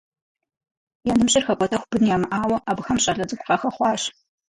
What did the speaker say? Я ныбжьыр хэкӏуэтэху бын ямыӏауэ, абыхэм щӏалэ цӏыкӏу къахэхъуащ.